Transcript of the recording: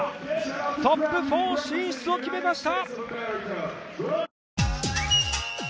トップ４進出を決めました！